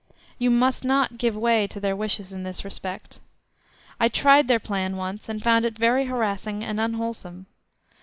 You must not give way to their wishes in this respect. I tried their plan once, and found it very harassing and unwholesome.